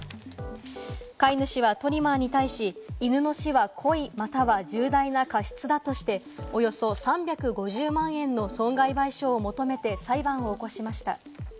飼い主はトリマーに対し、犬の死は故意、または重大な過失だとして、およそ３５０万円の損害賠償を求めて裁判を起こしました。